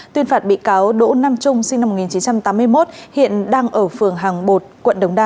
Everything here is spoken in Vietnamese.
tuyên phạt bị cáo đỗ nam trung sinh năm một nghìn chín trăm tám mươi một hiện đang ở phường hàng bột quận đống đa